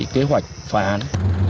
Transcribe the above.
kế hoạch phá án